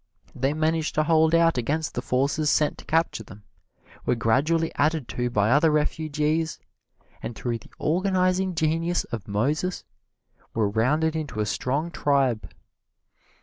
They managed to hold out against the forces sent to capture them, were gradually added to by other refugees, and through the organizing genius of Moses were rounded into a strong tribe.